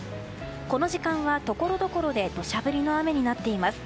この時間はところどころで土砂降りの雨になっています。